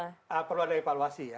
dan perlu ada evaluasi ya